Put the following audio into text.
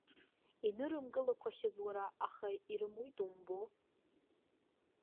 Инырымкылақәахьаз, уара, аха ирымуит, умбо.